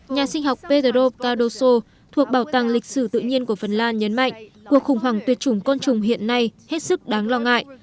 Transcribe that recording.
nhà sinh học pedro kadoso thuộc bảo tàng lịch sử tự nhiên của phần lan nhấn mạnh cuộc khủng hoảng tuyệt chủng côn trùng hiện nay hết sức đáng lo ngại